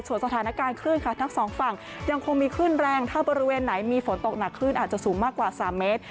ส่วนสถานการณ์ขึ้นทั้งสองฝั่งยังคงมีขึ้นแรงถ้าบริเวณไหนมีฝนตกหนักขึ้นอาจจะสูงมากกว่า๓เมตร